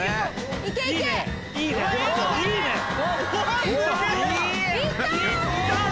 いった！